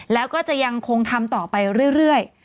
แล้วก็จะยังคงทำต่อไปเรื่อย